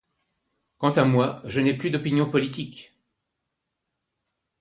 Quant à moi, je n'ai plus d'opinion politique.